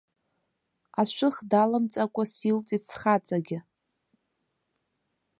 Ашәых даламҵакәа силҵит схаҵагьы!